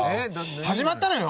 始まったのよ！